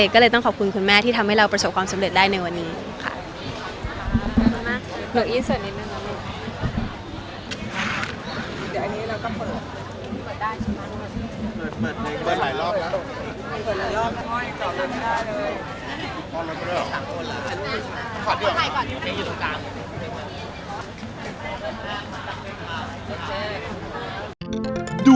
ก็เลยต้องขอบคุณคุณแม่ที่ทำให้เราประสบความสำเร็จได้ในวันนี้ค่ะ